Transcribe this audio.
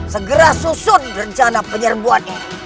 segera susun rencana penyerbuan ini